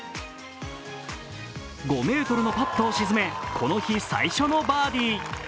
５ｍのパットを沈め、この日最初のバーディー。